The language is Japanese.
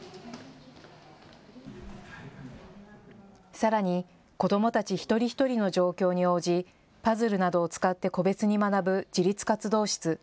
さらに子どもたち一人一人の状況に応じパズルなどを使って個別に学ぶ自立活動室。